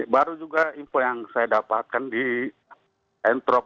baru juga info yang saya dapatkan di entrop